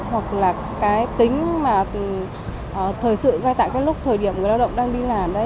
hoặc là cái tính mà thời sự ngay tại cái lúc thời điểm người lao động đang đi làm